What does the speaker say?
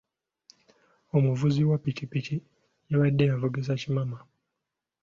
Omuvuzi wa ppikipiki yabadde avugisa kimama.